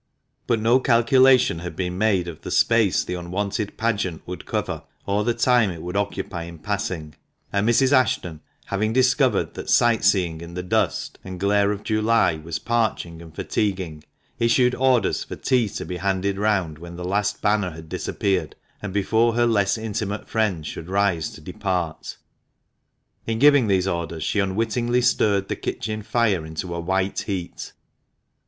But no calculation had been made of the space the unwonted pageant would cover, or the time it would occupy in passing ; and Mrs. Ashton, having discovered that sight seeing in the dust and glare AUGUSTA AT HER HARP. 300 THB MANCHESTER MAN. of July was parching and fatiguing, issued orders for tea to be handed round when the last banner had disappeared, and before her less intimate friends should rise to depart. In giving these orders, she unwittingly stirred the kitchen fire into a white heat.